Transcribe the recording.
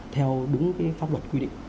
theo đúng cái pháp luật quy định